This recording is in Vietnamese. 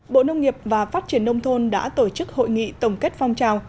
bộ nông nghiệp và phát triển nông thôn đã tổ chức hội nghị tổng kết phong trào